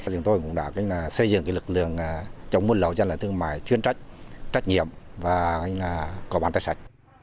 chúng tôi cũng đã xây dựng lực lượng chống buôn lậu và gian lợi thương mại chuyên trách trách nhiệm và có bán tách sạch